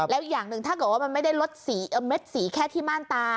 แล้วอย่างหนึ่งถ้าเกิดว่ามันไม่ได้ลดสีเม็ดสีแค่ที่ม่านตา